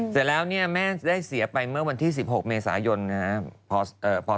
เสร็จแล้วเนี่ยแม่ได้เสียไปเมื่อวันที่๑๖เมษายนนะครับ